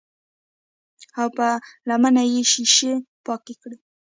او پۀ لمنه يې شيشې پاکې کړې